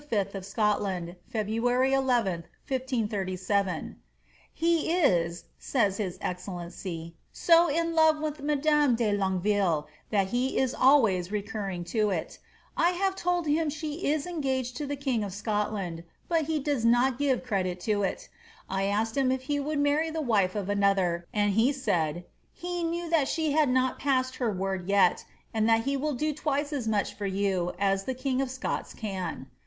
of Scotland, February 11, 1537. *^ He is,'' says his excellency, ^^ so in love with roadame de Longueville, tliat he is always recurring to iL I have told him she it engaged to the (236) AlfllB or CLBVB8. 237 king of Scotland, but he does not give credit to it. J asked him if he would many the wife of another, and he said, ^ he knew that she had not passed her word yet, and that he will do twice as much for yon as the king of Scots can.'